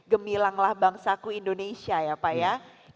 gemilanglah bangsa ku indonesia ya pak ya